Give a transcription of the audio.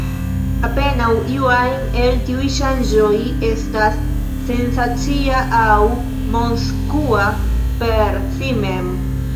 Apenaŭ iu ajn el tiuj ŝanĝoj estas sensacia aŭ mondskua per si mem.